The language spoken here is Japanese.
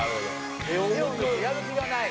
「手を抜く」「やる気がない」。